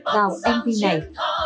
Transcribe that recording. vào mv này